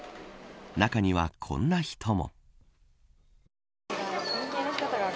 中には、こんな人も。